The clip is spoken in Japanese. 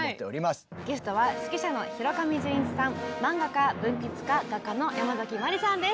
ゲストは指揮者の広上淳一さん漫画家文筆家画家のヤマザキマリさんです。